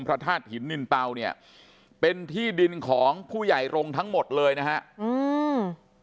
พระธาตุหินนินเปล่าเนี่ยเป็นที่ดินของผู้ใหญ่รงค์ทั้งหมดเลยนะฮะอืม